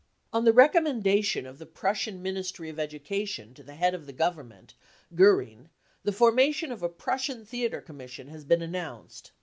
" On the recommendation of the Prussian Ministry of Education to the «head of the Government, Goering, the formation of a Prussian Theatre Commission has been announced.